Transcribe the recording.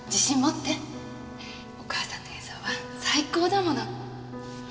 お母さんの演奏は最高だもの。